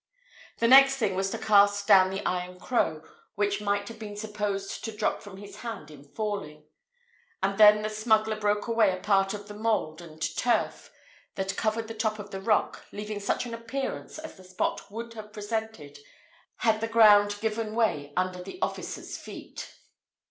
The next thing was to cast down the iron crow, which might have been supposed to drop from his hand in falling; and then the smuggler broke away a part of the mould and turf that covered the top of the rock, leaving such an appearance as the spot would have presented had the ground given way under the officer's feet.